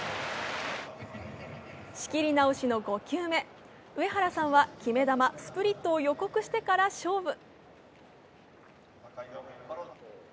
仕切り直しの５球目、上原さんは決め球、スプリットを予告してから、勝負！